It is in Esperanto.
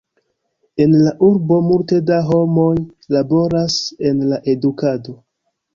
En la urbo multe da homoj laboras en la edukado.